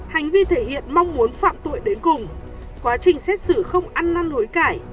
hành vi thể hiện mong muốn phạm tội đến cùng quá trình xét xử không ăn năn hối cải